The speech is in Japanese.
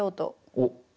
おっ。